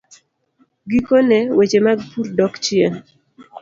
Gikone, weche mag pur dok chien.